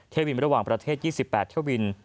เที่ยวบินระหว่างประเทศ๒๘เที่ยวบิน